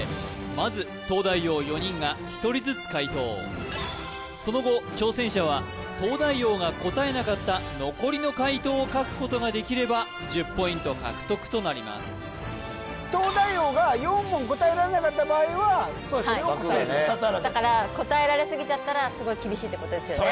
まず東大王４人が１人ずつ解答その後挑戦者は東大王が答えなかった残りの解答を書くことができれば１０ポイント獲得となります東大王が４問答えられなかった場合はそれを答える２つあるわけですからだから答えられすぎちゃったら厳しいってことですよね？